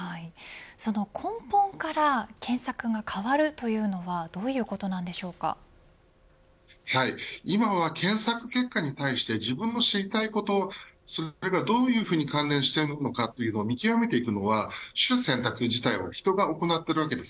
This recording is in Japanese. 根本から検索が変わるというのは今は検索結果に対して自分の知りたいこと、それがどういうふうに関連しているのかを見極めていくのは取捨選択自体は人が行っているわけです。